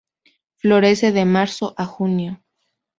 Florece de marzo a junio.